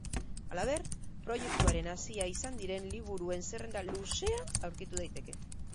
Halaber, proiektuaren hazia izan diren liburuen zerrenda luzea aurkitu daiteke.